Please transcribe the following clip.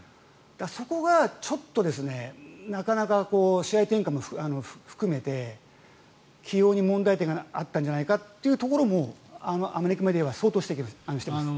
そこがちょっとなかなか試合展開も含めて、起用に問題点があったんじゃないかというところもアメリカメディアは相当指摘しています。